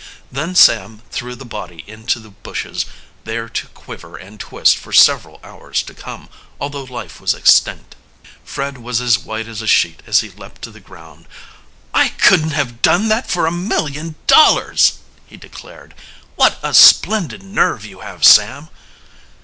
Then Sam threw the body into the bushes, there to quiver and twist for several hours to come, although life was extinct. Fred was as white as a sheet as he leaped to the ground. "I couldn't have done that for a million dollars!" he declared. "What a splendid nerve you have, Sam."